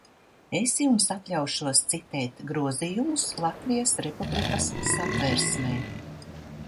Es jums atļaušos citēt grozījumus Latvijas Republikas Satversmē.